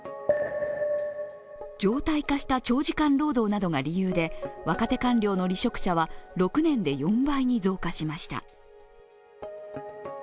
常態化した長時間労働などが理由で、若手官僚の離職者は６年で４倍に増加しました。